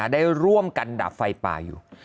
ได้ร่วมกันดับไฟป่าอยู่